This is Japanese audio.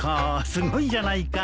すごいじゃないか。